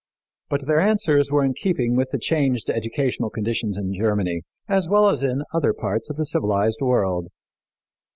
But their answers were in keeping with the changed educational conditions in Germany, as well as in other parts of the civilized world.